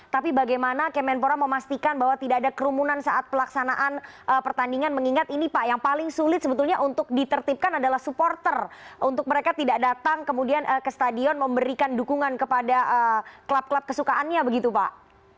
tapi bagaimana kemenpora memastikan bahwa tidak ada kerumunan saat pelaksanaan pertandingan mengingat ini pak yang paling sulit sebetulnya untuk ditertipkan adalah supporter untuk mereka tidak datang kemudian ke stadion memberikan dukungan kepada klub klub kesukaannya begitu pak